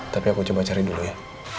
tapi aku coba cari dulu ya